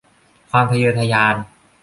ความทะเยอทะยาน